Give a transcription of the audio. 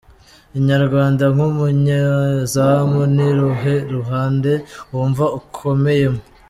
Inyarwanda: Nk’umunyezamu, ni uruhe ruhande wumva ukomeyemo ?.